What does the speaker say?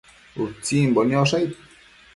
Utsimbo niosh aid